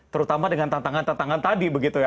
terutama dengan tantangan tantangan tadi begitu ya